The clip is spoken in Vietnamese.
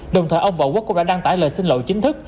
đồng thời ông võ quốc cũng đã đăng tải lời xin lỗi chính thức